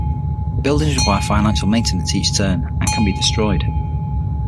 Buildings require financial maintenance each turn, and can be destroyed.